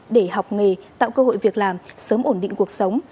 để học nghề tạo cơ hội việc làm sớm ổn định cuộc sống